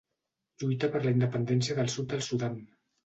Lluita per la independència del Sud del Sudan.